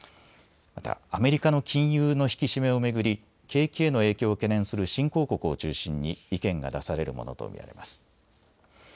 またアメリカの金融の引き締めを巡り景気への影響を懸念する新興国を中心に意見が出されるものと見られます。